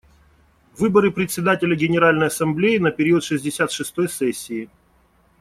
Выборы Председателя Генеральной Ассамблеи на период шестьдесят шестой сессии.